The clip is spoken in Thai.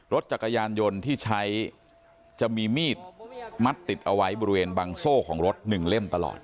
รถจักรยานยนต์ที่ใช้จะมีมีดมัดติดเอาไว้บริเวณบังโซ่ของรถ๑เล่มตลอด